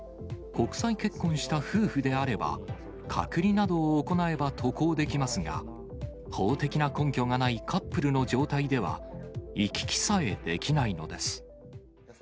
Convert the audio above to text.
国際結婚した夫婦であれば、隔離などを行えば渡航できますが、法的な根拠がないカップルの状態では、行き来さえできないのです。